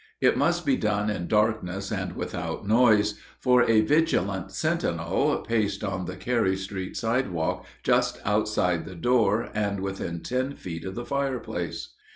It must be done in darkness and without noise, for a vigilant sentinel paced on the Carey street sidewalk just outside the door and within ten feet of the fireplace.